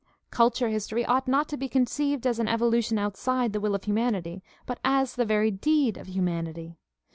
Culture history ought not to be conceived as an evolution outside the will of humanity, but as the very deed of humanity.